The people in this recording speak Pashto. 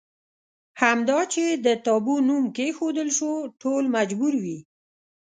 همدا چې د تابو نوم کېښودل شو ټول مجبور وي.